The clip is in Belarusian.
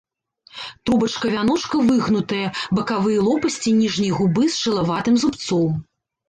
Трубачка вяночка выгнутая, бакавыя лопасці ніжняй губы з шылаватым зубцом.